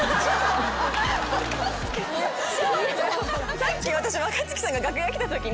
さっき私若槻さんが楽屋来たときに。